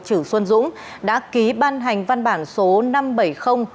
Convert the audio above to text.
chử xuân dũng đã ký ban hành văn bản số năm trăm bảy mươi